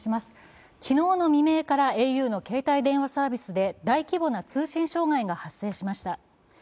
昨日の明からａｕの携帯電話サービスで大規模な通信障害が発生しました。